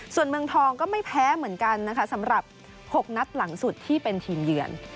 ส่วนเมืองทองก็ไม่แพ้เหมือนกันนะคะสำหรับ๖นัดหลังสุดที่เป็นทีมเยือน